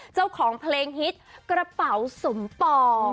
เจ้าของเพลงฮิตกระเป๋าสมปอง